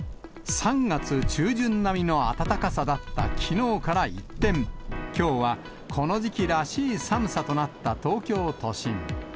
３月中旬並みの暖かさだったきのうから一転、きょうはこの時期らしい寒さとなった東京都心。